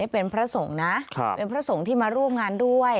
เป็นพระสงฆ์นะเป็นพระสงฆ์ที่มาร่วมงานด้วย